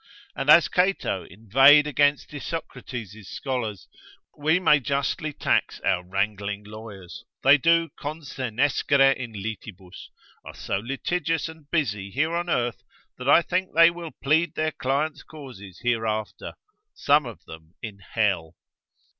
And, as Cato inveighed against Isocrates' scholars, we may justly tax our wrangling lawyers, they do consenescere in litibus, are so litigious and busy here on earth, that I think they will plead their client's causes hereafter, some of them in hell.